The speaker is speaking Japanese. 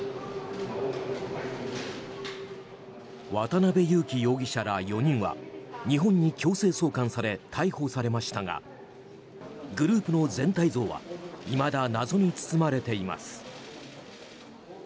渡邉優樹容疑者ら４人は日本に強制送還され逮捕されましたがグループの全体像はいまだ謎に包まれています。